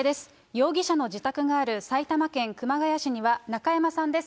容疑者の自宅がある埼玉県熊谷市には中山さんです。